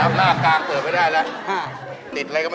หลุกหายละค่ะ